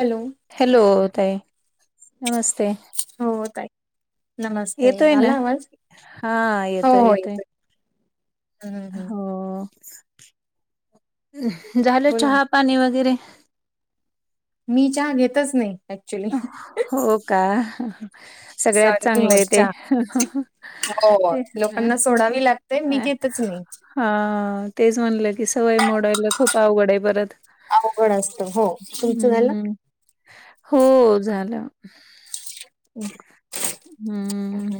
Hello. Hello ताई नमस्ते. हो ताई. नमस्ते येतोय ना आला आवाज? हा हो येतोय हो येतोय येत़ोय. हो झालं बोला ना चहा, पाणी वगैरे? मी चहा घेतच नाही. ऍक्च्युली हो का. सगळ्यात सहन नाही चांगलं आहे होत ते चहा हो ते अ लोकांना सोडावी लागते मी अ घेतच नाही हा तेच म्हणले की सवय मोडायला खूप अवघड आहे परत. अवघड असत हो, तुमचं झालं? हम्म हो झालं. [unintelligible] हम्म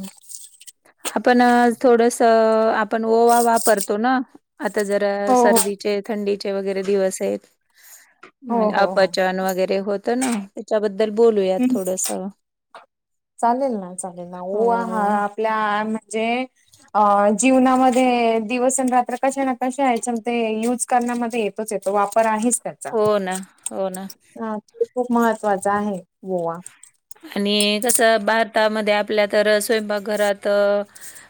आपण थोडस आपण ओवा वापरतो ना. आता जरा हो हो सर्दीचे थंडीचे वगैरे दिवस आहेत. हो म्हण हो हो अपचन वगैरे होतं ना, त्याच्याबद्दल बोलूया हं. थोडस. चालेल ना चालेल ना ओवा हा हो. आपल्या आ म्हणजे अ जीवनामध्ये दिवस अन रात्र कशा ना कशा आहेत ते युज करण्यामध्ये येत तोच येतो वापर आहेच त्याचा. हो ना हो ना खूप महत्त्वाचा आहे ओवा. आणि कसं भारतामध्ये आपल्या तर स्वयंपाकघरात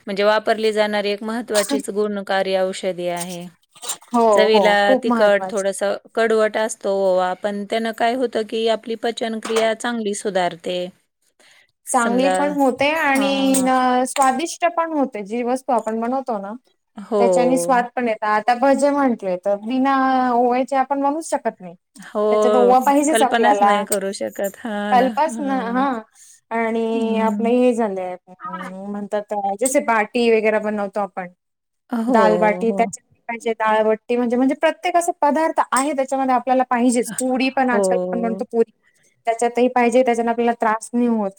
म्हणजे वापरली जाणारी एक महत्त्वाचीच गुणकार्य औषधी आहे. हो हो चवीला खूप तिखट महत्त्वाची. थोडस कडवट असतो ओवा पण त्यान काय होतं की आपली पचनक्रिया चांगली सुधारते. चांगली समजा पण होते आणि हां. अ स्वादिष्ट ते पण होते जी वस्तु आपण बनवतो ना, हो, त्याच्यानी स्वाद पण येता आता भजे म्हटले तर बिना ओवायचे आपण बणू शकत नाय. त्याच्यात ओवा हो. पाहिजेच कल्पनाच आपल्याला, नाही करू शकत. हां ना. काल पासन हां. ह आणि आपलं हं. हे झाले [unintelligible] म्हणतात जसे बाटी वगैर बनवतो आपण. हो, दालबाटी त्या हो. [unintelligible] दालबाटी म्हणजे म्हणजे प्रत्येक अस पदार्थ आहे त्याच्यामध्ये आपल्याला पाहिजेच पुरी पण हो, आजका आपण बनवतो त्याच्यातही पाहिजे त्याच्यान आपल्याला त्रास नाही होत.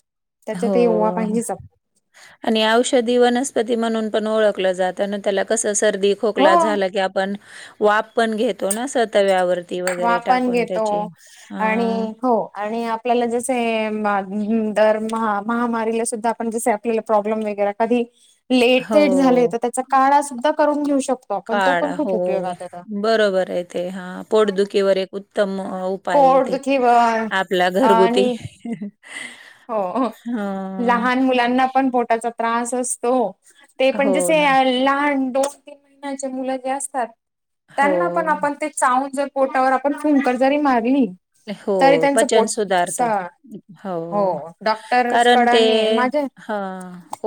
हो त्याच्यातही ओवा पाहिजेच आप आणि औषधी वनस्पती म्हणून पण ओळखलं जात अन त्याला कस सर्दी हो खोकला झाला की आपण वाफ पण घेतो ना असं तव्यावर. वाफ पण घेतो आणि हां. हो आणि आप आपल्याला जसे हे [unintelligible] दर महा-महामारीला सुद्धा आपण जसे आपल्याला प्रॉब्लेम वगैरे कधी लेट थेट झाले हो. तर त्याचा काळा सुद्धा करून घेऊ शकतो आपण तो पण काढा हो खूप उपयोगात येत आता. बरोबर आहे ते हा पोटदुखकीवर एक उत उत्तम उपाय ते पोटदुखी वर आपला घरगुती. आणि हो हो हं लहान मुलांना पण पोटाचा त्रास असतो. ते पण हो जसे ना अ लहान दोन तीन महिन्याचे मुलं जे असतात हो त्यांना पण आपण ते चावून जर पोटावर आपण फुंकर जरी मारली हो तरी त्यांचं पचन पोट सुधारत. हो डॉक्टर्स कारण ते कडाने माझे ह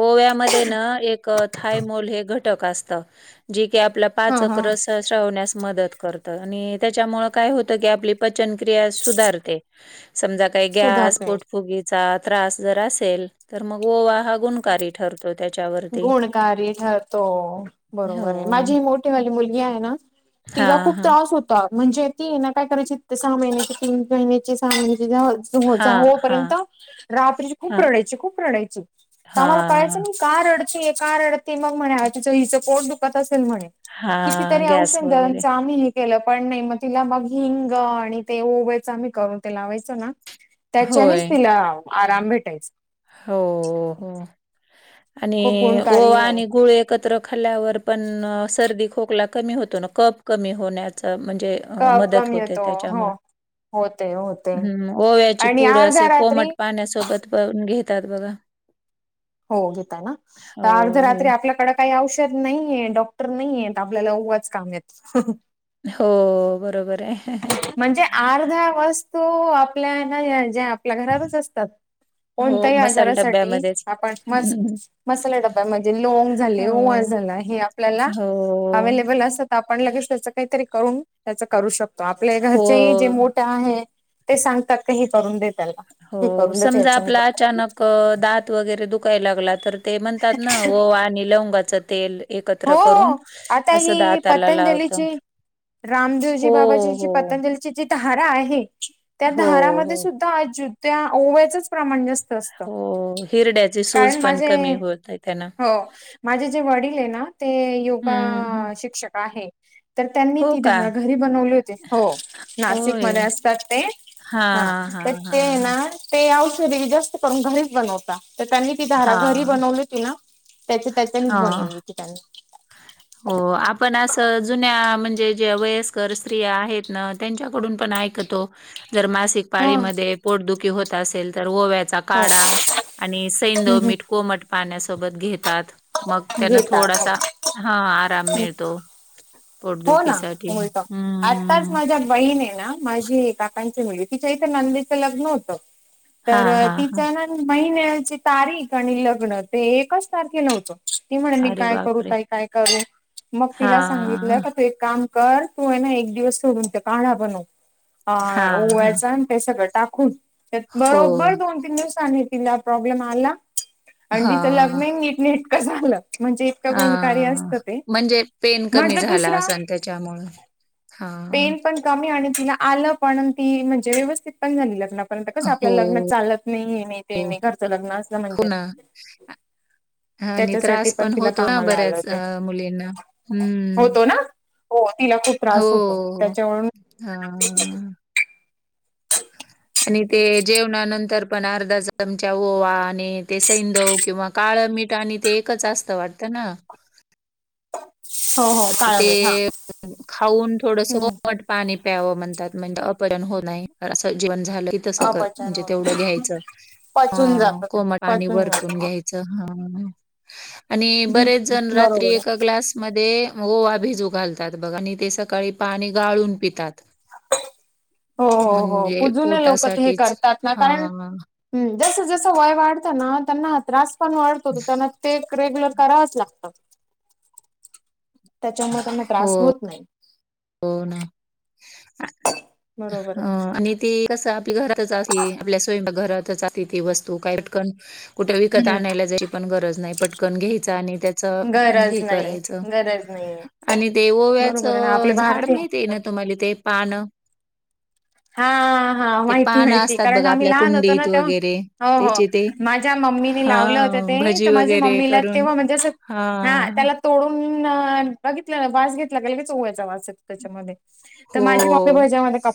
ओव्यामध्ये न एक अ थायमोल हे घटक असत, जे की आपला हा पाचक हा रस शवण्यास मदत करत आणि त्याच्यामुळ काय होतं की आपली पचन क्रिया सुधारते समजा काय गॅस सुधारते पोटफुगी चा त्रास जर असेल तर मग ओवा हा गुणकारी ठरतो त्याच्यावरती गुणकारी ठरतो बरोबर आहे हो माझी मोठी ते वाली मुलगी आहे, ना तीला हां, खुओ हां. त्रास होत ता म्हणजे ती ना काय करायची सहा महिन्याची तीन महिन्याची सहा महिन्याची झालं हो जावळ हां, हो पर्यंत हां, रात्रीची खूप हां, रडायची खूप रडायची. आम्हाला कळायचं हां, नाही कार रडते का रडते मग म्हणे आजचं हिचं पोट दुखत असेल म्हणे हां, कितीतरी गॅस वगैरे. [unintelligible] आम्ही केलं. पण नाही मग तिला मग हिंग आणि ते ओव्याचं आम्ही करून ते लावायचं ना. त्याच्यानेच होय. तिला आराम भेटायच. हो हो. आणि खूप गुणकारी ओवा आहे आणि गुळ कत्र खाल्ल्यावर पण सर्दी खोकला कमी होतो ना. कप कमी होण्याचा म्हणजे अ कप मदत कमी होते येतो हो त्याच्यामुळे. होते होते हम्म. ओव्याची आणि पूड असे अर्ध्या रात्री कोमट पाण्यासोबत घेतात बघा‌. हो घेताय ना. तर अर्ध्या रात्री हो. आपल्याकड काही औषध नाहीये डॉक्टर नाही आहेत. आपल्याला ओवावाच काम य हो बरोबर आहे. म्हणजे अर्ध्या वस्तू आपल्या ना ज्या आपल्या घरातच असतात. हो, कोणत्याही मसाला आजारासाठी डब्यामध्येच. आपण मस्त मसाला डब्या म्हणजे लोंग झाले हो, ओवा झाला हे आपल्याला हो, अवेलेबल असतात‌. आपण लगेच त्याच काहीतरी करून त्याच करू शकतो आपल्या हो, घरचेही जे मोठ्या आहे ते सांगतात का हे करून दे त्याला. हे हो. करून देत समजा याच्याने आपला बरोब अचानक दात वगैरे दुखायला लागला तर ते म्हणतात ना ओवा आणि लवंगाचं तेल हो एकत्र करून हो आता असं ही दात लावतो. पतंजलीची रामदेवजी बाबाची जी पतंजली जी धारा आहे त्या हो, धारामध्ये हो, सुद्धा त्या ओव्याच प्रमाण अस्त. हो. हिरड्याची सूज कारण पण माझे‌. कमी होते त्यानं. हो. माझे जे वडील ना हे योगा हं, हं. शिक्षक आहे. तर त्यांनी हो ती का? धारा घरी बनवली होती. हो. होय. नाशिकमध्ये असतात ते. हा. हां, हां, तर ते हां, हां. ना ते औषधी जास्त करून घरीच बनवता तर त्यांनी त धारा घरी हां, बनवली होती ना. त्या त्याच्यानीच हां. बनवली होती त्यांनी. हो आपण असं जुन्या म्हणजे जे वयस्कर स्त्रिया आहेत ना त्यांच्याकडून पण ऐकतो. जर मासिक हा पाळीमध्ये पोटदुखी होत असेल तर ओव्याचा हो काडा हम्म आणि सैंदव हम्म मीठ कोमट पाण्यासोबत घेतात. मग त्यांना घेतात थोडासा. हो हा. आराम मिळतो. पोट हो दुखी ना साठी. मिळतं आत्ताच हम्. माझ्या बहीण आहे ना माझी काकांची मुलगी तिच्या इथ नंदीचं लग्न होतं. हां, तर हां, हां. तिचं ना महिन्याची तारीख आणि लग्न ते एकच तारखेलाव्हतं. ती म्हणे मी अरे काय करू? बापरे! तई काय करू? मग तिला सांगितल. हां, तू एक काम कर तू ना एक दिवस सोडून त्यो काढा बनव. हां, हां. ओव्याचा. ते सगळं टाकून हो. बरोबर दोन तीन दिवस आणि तिला प्रॉब्लेम आला‌. आणि तीच हां, लग्न ही नीट नेट का झालं. म्हणजे इतका गुणकारी हां. असत ते. म्हणजे पेन म्ह कमी झाला असन त्याच्यामुळ. हा. क आणि तिला आलं पण ती म्हणजे व्यवस्थित पण झाली लग्न कस आपलं हो, लग्न चालत नाही नाही ते हो. नाही घरचं लग्न अस म्हण हो ना. आणि त्याच्यासाठी त्रास पण तिला होतो ना कामाला आलं बऱ्याच ते मुलींना. होतो ना. हो तिला खूप त्रास होतो हो‌. त्याच्यावरून ह. आणि ते जेवणानंतर पण अर्धा चमचा ओवा आणि ते सैंदव किंवा काळं मीठ आणि ते एकच जास्त वाटतं ना? हो हो [inaudible] काळ ते मीठ हा [inaudible] खाऊन थोडसं हम्म [unintelligible] पाणी प्यावं म्हणतात म्हणे, अपहरण होऊ नये असं जीवन झालं तसं, अपचन म्हणजे होत तेवढं घ्यायचं अ पचून जात ते कोमट पाणी पचून जात वरतून घ्यायचं चं हा हा आणि बरेच हम्म जण रात्री बरोबर आहे एका ग्लासमध्ये ओवा भिजू घालतात बघा आणि ते सकाळी पाणी गाळून पितात. हो [inaudible] हो हो म्हणजे जुने पोटासाठीच हा जस जसं वय वाढत ना त्यांना हा त्रास पण वाढतो त्यांना ते एक रेग्युलर करावचं लागत. त्याच्यामुळे त्यांना त्रास हो, होत नाही. हो ना बरोबर [inaudible] आहे. आणि ती कस आपली घरातच असते आपल्या स्वयंपाक घरातच असते ती वस्तू काय पटकन कुठे विकत हम्म आणायला जायची पण गरज नाही पटकन घ्यायचं आणि त्याचं गरज हे नाही करायचं गरज नाहीये. आणि ते बरोबर आहे ना ओव्याचं आपले झाड भारतीय माहिती आहे ना तुम्हाला ते पान हा हा माहिती माहिती कारण आम्ही आपल्या लहान होतो ना? कुंडीत तेव्हा वगैरे हो हो त्याचे ते माझ्या मम्मीने लावलं होत हां, ते तर भजी माझी वगैरे मम्मीला करून तेव्हा म्हणजे अस हा हां. त्याला तोडूनं बघितलं ना वास घेतला का लगेच ओव्याचा वास येतो त्याच्यामध्ये. तर हो. माझी मम्मी भजामध्ये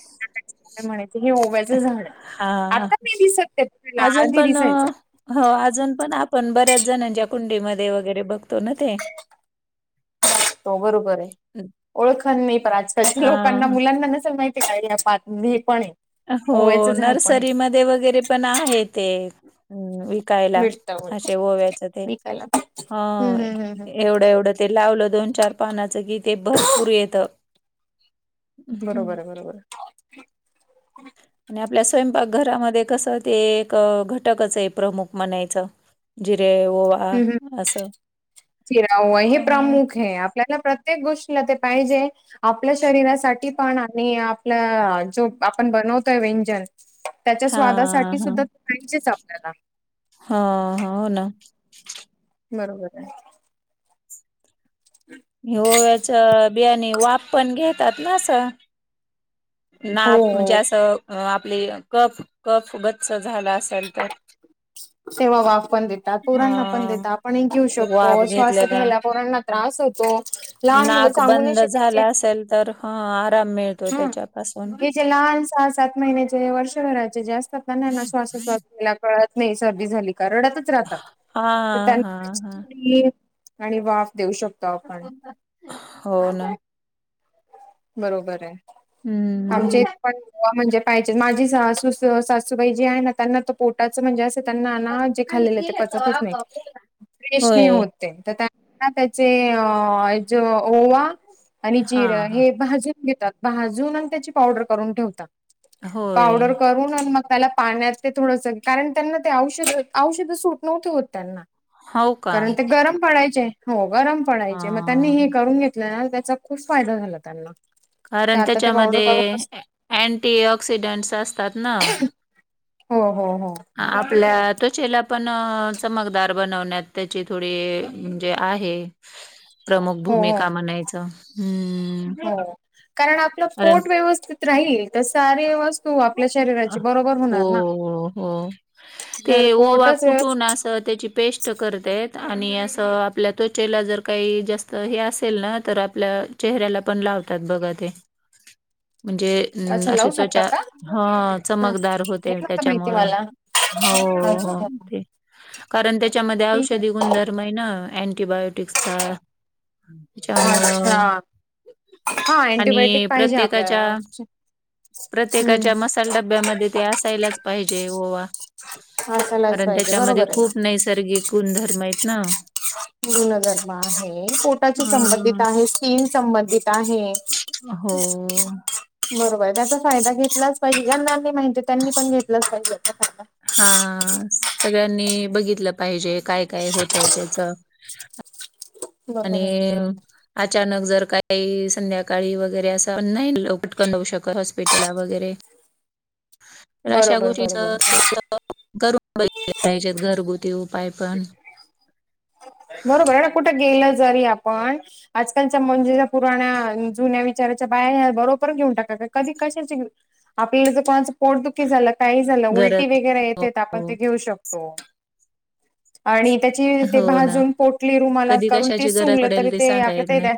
[inaudible] म्हणायची हे ओ हा, ते तुला अजून आधी पण दिसायचा हो अजून पण आपण बऱ्याच जणांच्या कुंडीमध्ये वगैरे बघतो ना ते. [unintelligible] हो बरोबर आहे हं. ओळखन नाही पण आजकालच्या लोकांना अ, मुलांना नसेल माहि [unintelligible] हे पण आहे हो ओव्याचं झाड पण आहे नर्सरीमध्ये वगैरे पण आहे ते हम्म. विकायला मिळत असे ओव्याच ते विकायला ह हम्म हम्म हम्म हम्म एवढं एवढं ते लावलं दोन चार पानाचं कि ते भरपूर येतं. बरोबर आहे बरोबर आहे आणि आपल्या स्वयंपाकघरामध्ये कसं ते एक घटकच आहे प्रमुख म्हणायचं. जिरे ओवा हम्म हम्म असं चिरा ओवा हे त्याच्यामुळ प्रमुख आहे आपल्याला प्रत्येक गोष्टीला ते पाहिजे आपल्या शरीरासाठी पण आणि आपल्या जो आपण बनवतोय व्यंजन त्याच्या हां, स्वादासाठी हां. सुद्धा पाहिजेच आपल्याला. हा हा हो ना बरोबर आहे [inaudible] हे ओव्याच बियाने वाप पण घे तातना अस हो नाक म्हणजे हो असं आपले कफ कफ गच्च झालं असेल तर [inaudible] तेव्हा वाफ पण देतात, हा पोरांना पण देतात आपण एक घेऊ वाफ शकतो श्वास घेतल्याला घ्याल्या पोरांना त्रास होतो लहान मुलं नाक सांगू नाही बंद शकायचे झाला असेल तर हा आराम मिळतो हा त्याच्या पाासून [inaudible] हे जे लहान सहा-सात महिन्याचे वर्षभराचे जे असतात ना त्यांना श्वासो-श्वास घेयाला कळत नाही सर्दी झाली का रडातच राहतात हा तर हा हा त्यांना [inaudible] आणि वाफ देऊ शकतो आपण. हो ना बरोबर आहे. आमचे इथ हम्म पण [inaudible] म्हणजे पाहिजे माझी सासू सासूबाई जी आहे ना त्यांना त पोटाच म्हणजे असं त्यांना ना जे खाल्लेले ते पचतच नाही, फ्रेश नाही होय होत. त्यांना त्याचे ज ओवा आणि हा जीर हा हे भाजून घेतात, भाजून आणि त्याची पावडर करून ठेवतात, होय पावडर करूनअन मग त्याला पाण्यात ते थोडंस कारण त्यांना ते औषध औषध सूट नव्हते होत त्यांना. हो का कारण ते गरम पडायचे, हो गरम अ पडायचे, मग त्यांनी हे करून घेत त्याचा खूप फायदा झाला त्यांना. ते कारण आता ते पावडर त्याच्यामध्ये करूनच अँटी ऑक्सिडेंटस असतात ना. हो हो हो. हा आपल्या त्वचेला पण चमकदार बनवण्यात त्याची थोडी म्हणजे आहे प्रमुख हो हो भूमिका म्हनायचं हम. हो, कारण आपलं पोट व्यवस्थित राहील तर सार व्यव तू आपल्या अ, शरीराची बरोबर हो, होणार ना. हो, हो. ते जर ओवा पोटच व्यवस्थित, कुटून अस त्याची पेस्ट ट करतेेत, आणि असं आपल्या त्वचेला जर काही जास्त हे असेल ना तर आपल्या चेहऱ्याला पण लावतात बघा ते, म्हणजे अ अच्छा आशीं लावू शकता त्वच्या का ह हा चमकदार हे होते नव्हतं माहिती त्याच्यामुळं, मला हाव हो अच्छा ते. कारण त्याच्यामध्ये ठीक आहे औषधी गुणधर्म आहे ना अँटीबायोटिकचा अच्छा त्याच्यामुळं, हा आणि अँटीबायोटिक पाहिजे प्रत्येकाच्या आपल्याला हम्म प्रत्येकाच्या मसाल डब्यामध्ये ते असायलाच पाहिजे ओवा असायलाच कारण पाहिजे त्याच्यामध्ये बरोबर आहे ना. खूप नैसर्गिक गुणधर्म आहेत ना. गुणधर्म आहे, पोटाच्या संबंधित अ, आहे, स्किन संबंधित आहे. हो. बरोबर आहे, त्याचा फायदा घेतलाच पाहिजे, ज्यांना नाही माहिती त्यांनी पण घेतलाच पाहिजे त्याचा फायदा. हां, सगळ्यांनी बघितलं पाहिजे काय काय होतं त्याच. बरोबर आणि आहे अचानक जर काही संध्याकाळी वगैरे असं नाही पटकन हुं शकत हॉस्पिटला वगैरे. पण अशा बरोबर बरोबर गोष्टीचं करून बघितले पाहिजेत घरगुती उपाय पण. बरोबर आहे ना कुठ गेलं जरी आपण आजकालच्या म्हणजे पुराण्या जुन्या विचाराच्या बाया ह्या बरोबर घेऊन टाकतात, का कधी कशाचे आपल्याला जर कोणाचं पोटदुखी झालं, काही झालं, उलटी गरज वगैरे येते तर आपण हो, ते घेऊ शकतो. आणि त्याची ते हो ना, भाजून पोटली रुमालात कधी करून ते कशाची गरज सुंगलं पडेल तरी ते सांगता येत आपल्या नाही. ते [inaudible]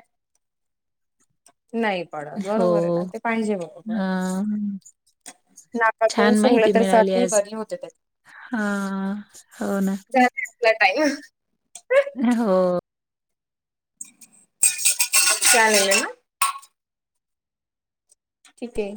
नाही पडत हो. बरोबर हे, ना ते पाहिजे बरोबर. हां. नाकातून छान माहिती सुंगलं तर मिळाली सर्दी आज. बरी होते त्यात हां, हो ना. झाला आपला टाईम. हो. चालेलं ये ना. ठीक ये.